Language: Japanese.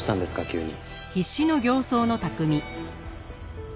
急に。